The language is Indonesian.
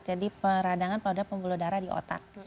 jadi peradangan pembuluh darah di otak